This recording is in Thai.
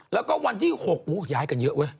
แล้วก็วันที่๖ย้ายกันเยอะเว้ย